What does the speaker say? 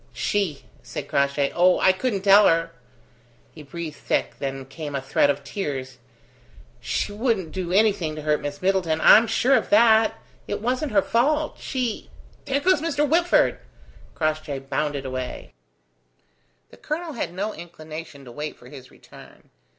"She!" said Crossjay. "Oh, I couldn't tell her." He breathed thick; then came a threat of tears. "She wouldn't do anything to hurt Miss Middleton. I'm sure of that. It wasn't her fault. She There goes Mr. Whitford!" Crossjay bounded away. The colonel had no inclination to wait for his return.